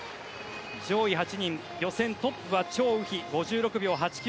上位８人、予選トップはチョウ・ウヒ５６秒８９。